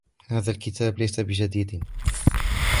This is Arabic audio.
هذا الكتاب ليس بجديدٍ.